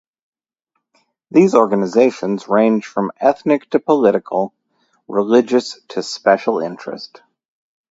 These organizations range from ethnic to political, religious to special interest.